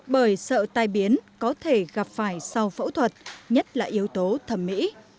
bởi sợ tai biến có thể gặp phải sau phẫu thuật nhất là yếu tố thẩm mỹ